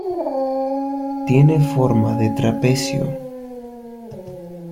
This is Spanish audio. Tiene forma de trapecio.